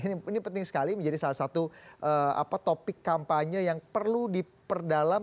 ini penting sekali menjadi salah satu topik kampanye yang perlu diperdalam